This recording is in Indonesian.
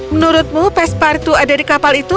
menurutmu pespartu ada di kapal itu